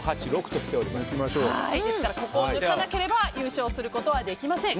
ですからここを抜かなければ優勝することはできません。